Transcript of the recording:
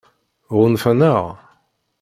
Ɣunfan-aɣ?